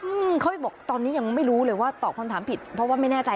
อืมเขาบอกตอนนี้ยังไม่รู้เลยว่าตอบคำถามผิดเพราะว่าไม่แน่ใจ